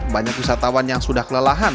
banyak wisatawan yang sudah kelelahan